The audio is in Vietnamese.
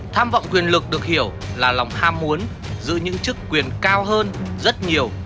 tham vọng quyền lực được hiểu là lòng ham muốn giữ những chức quyền cao hơn rất nhiều